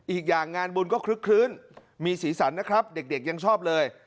อีกอย่างงานบุญก็คลึกคลื้นมีสีสันนะครับเด็กยังชอบเลย